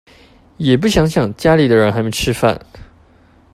也不想想家裡的人還沒吃飯